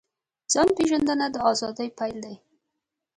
ځان پېژندنه د ازادۍ پیل دی.